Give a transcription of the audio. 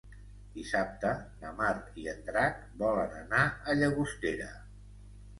Dissabte na Mar i en Drac volen anar a Llagostera.